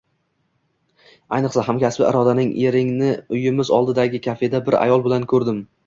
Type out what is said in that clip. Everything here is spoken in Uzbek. Ayniqsa, hamkasbi Irodaning Eringni uyimiz oldidagi kafeda bir ayol bilan ko`rdim